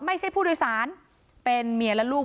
ไม่ใช่ผู้โดยสารเป็นเมียและลูก